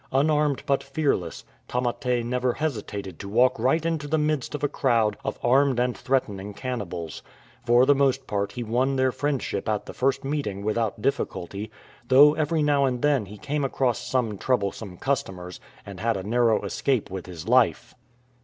Unarmed but fearless, Tamate never hesitated to walk right into the midst of a crowd of armed and threatening cannibals. For the most part he won their friendship at the first meeting without difficulty, though every now and then he came across some troublesome customers and had a narrow escape with his life.